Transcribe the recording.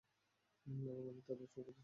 এবং আমি তাদের সুখের সাক্ষী হব।